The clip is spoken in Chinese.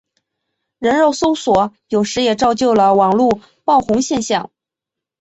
人肉搜索有时也造就了网路爆红现象。